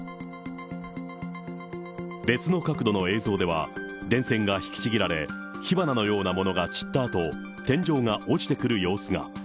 別の角度の映像では、電線が引きちぎられ、火花のようなものが散ったあと、天井が落ちてくる様子が。